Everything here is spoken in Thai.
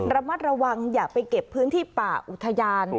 ระมัดระวังอย่าไปเก็บพื้นที่ป่าอุทยาน